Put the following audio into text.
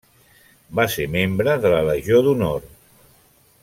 Va ser membre de la legió d'honor.